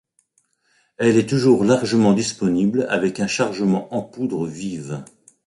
Elle est toujours largement disponible avec un chargement en poudre vive.